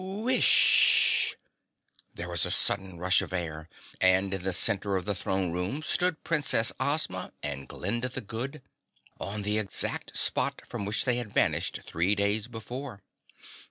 "Whish!" There was a sudden rush of air, and in the center of the throne room stood Princess Ozma and Glinda the Good on the exact spot from which they had vanished three days before.